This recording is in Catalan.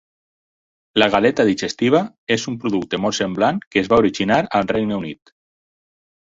La galeta digestiva és un producte molt semblant que es va originar al Regne Unit.